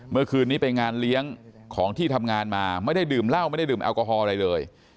เมื่อคืนนี้ไปงานเลี้ยงของที่ทำงานมาไม่ได้ดื่มเหล้าไม่ได้ดื่มแอลกอฮอลอะไรเลย